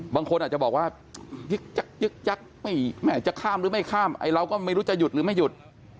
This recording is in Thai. บางคนอาจจะบอกว่ายึกยักจะข้ามหรือไม่ข้ามไอ้เราก็ไม่รู้จะหยุดหรือไม่หยุด